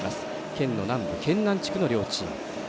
県の南部県南地区の両チーム。